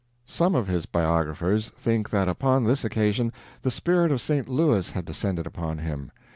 Some of his biographers think that upon this occasion the spirit of Saint Louis had descended upon him.